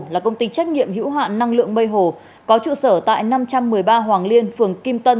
là công ty trách nhiệm hữu hạn năng lượng mây hồ có trụ sở tại năm trăm một mươi ba hoàng liên phường kim tân